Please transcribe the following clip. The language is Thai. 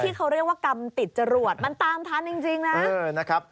ที่เขาเรียกว่ากรรมติดจรวดมันตามทันจริงนะ